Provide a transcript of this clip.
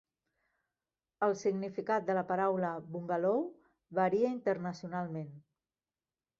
El significat de la paraula "bungalou" varia internacionalment.